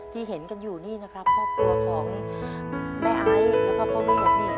เห็นกันอยู่นี่นะครับครอบครัวของแม่ไอซ์แล้วก็พ่อเวียดนี่